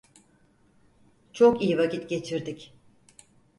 Çok iyi vakit geçirdik.